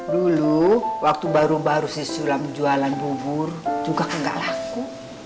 dulu waktu baru baru si sulam jualan bubur juga kan gak laku